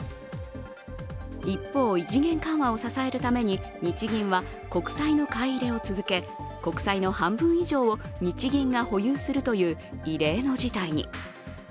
一方、異次元緩和を支えるために日銀は国債の買い入れを続け、国債の半分以上を日銀が保有するという異例の事態に。